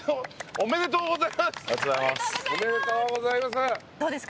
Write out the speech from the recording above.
おめでとうございます！